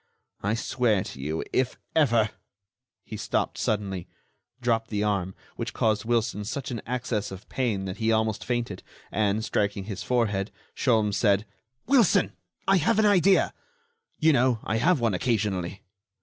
I swear to you if ever——" He stopped suddenly, dropped the arm—which caused Wilson such an access of pain that he almost fainted—and, striking his forehead, Sholmes said: "Wilson, I have an idea. You know, I have one occasionally."